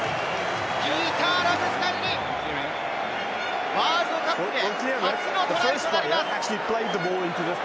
ピーター・ラブスカフニ、ワールドカップで初のトライとなります。